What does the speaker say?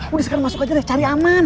udah sekarang masuk aja deh cari aman